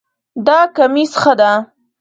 دا کمیس ښه ده